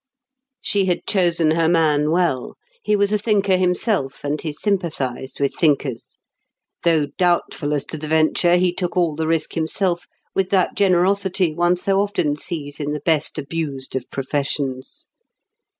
She had chosen her man well. He was a thinker himself, and he sympathised with thinkers. Though doubtful as to the venture, he took all the risk himself with that generosity one so often sees in the best abused of professions.